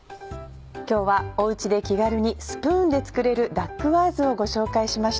今日はおうちで気軽にスプーンで作れるダックワーズをご紹介しました。